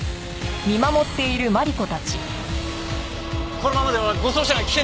このままでは護送車が危険です！